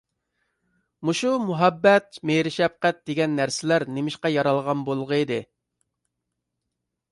مۇشۇ مۇھەببەت، مېھىر-شەپقەت دېگەن نەرسىلەر نېمىشقا يارالغان بولغىيدى.